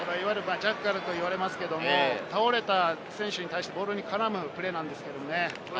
ジャッカルと言われますが、倒れた選手に対して、ボールに絡むプレーなんですけれどもね。